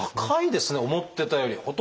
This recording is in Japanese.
高いですね思ってたより。